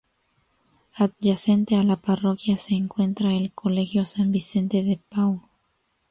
Adyacente a la Parroquia se encuentra el Colegio San Vicente de Paúl.